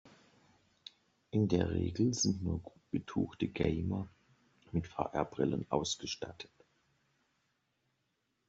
In der Regel sind nur gut betuchte Gamer mit VR-Brillen ausgestattet.